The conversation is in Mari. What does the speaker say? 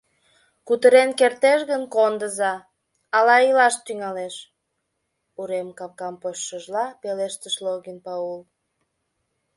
Кутырен кертеш гын, кондыза, ала илаш тӱҥалеш, — урем капкам почшыжла, пелештыш Логин Пагул.